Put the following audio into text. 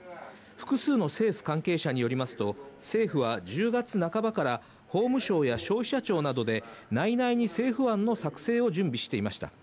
複数の政府関係者によりますと、政府は１０月半ばから法務省や消費者庁などで内々に政府案の作成を準備していました。